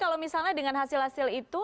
kalau misalnya dengan hasil hasil itu